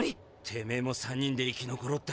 てめえも３人で生き残ろうって腹だろ？